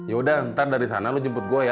ya udah entar dari sana lo jemput gue ya